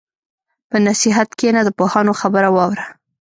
په نصیحت کښېنه، د پوهانو خبره واوره.